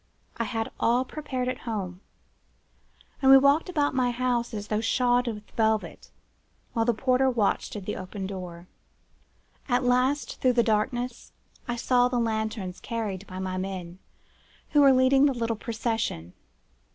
I had all prepared at home, and we walked about my house as though shod with velvet, while the porter watched at the open door. At last, through the darkness, I saw the lanterns carried by my men, who were leading the little procession.